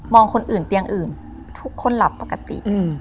คนอื่นเตียงอื่นทุกคนหลับปกติ